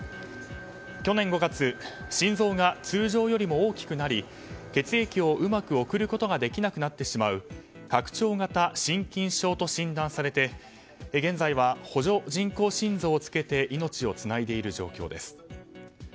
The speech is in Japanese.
去年５月心臓が通常よりも大きくなり血液をうまく送ることができなくなってしまう拡張型心筋症と診断されて現在は補助人工心臓をつけて命をつないでいる状況です。